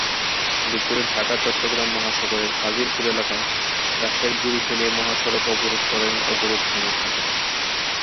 দুপুরে ঢাকা-চট্টগ্রাম মহাসড়কের ফাজিলপুর এলাকায় গাছের গুঁড়ি ফেলে মহাসড়ক অবরোধ করেন অবরোধ-সমর্থকেরা।